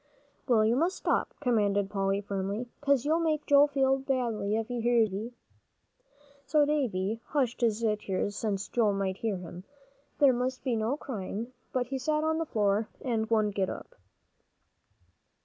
"Well, you must stop," commanded Polly, firmly, "'cause you'll make Joel feel badly if he hears you, Davie." So Davie hushed his tears. Since Joel might hear him, there must be no crying. But he sat on the floor, and wouldn't get up.